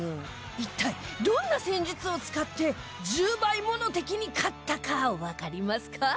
一体どんな戦術を使って１０倍もの敵に勝ったかわかりますか？